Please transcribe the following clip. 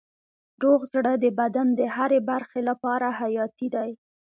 روغ زړه د بدن د هرې برخې لپاره حیاتي دی.